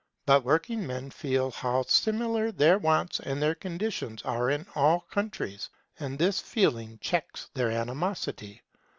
But working men feel how similar their wants and their conditions are in all countries, and this feeling checks their animosity.